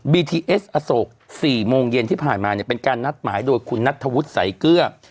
ทีเอสอโศก๔โมงเย็นที่ผ่านมาเนี่ยเป็นการนัดหมายโดยคุณนัทธวุฒิสายเกลือ